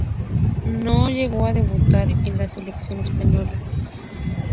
No llegó a debutar con la selección española.